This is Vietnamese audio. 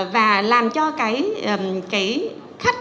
và làm cho cái khách có thể tham gia một cuộc sống